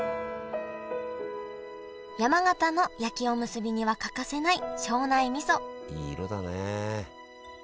山形の焼きおむすびには欠かせない庄内みそいい色だね。